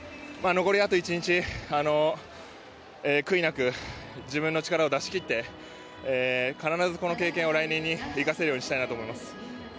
残りあと１日悔いなく自分の力を出し切って必ずこの経験を来年に生かせるようにしたいと思います。